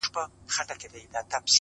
لوړ شخصیت له کوچنیو کارونو څرګندیږي.!